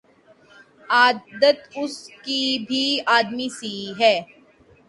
عادت اس کی بھی آدمی سی ہے